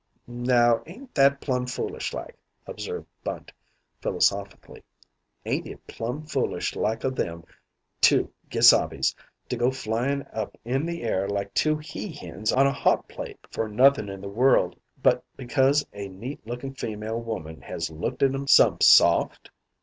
"Now ain't that plum foolish like," observed Bunt, philosophically. "Ain't it plum foolish like o' them two gesabes to go flyin' up in the air like two he hens on a hot plate for nothin' in the world but because a neat lookin' feemale woman has looked at 'em some soft?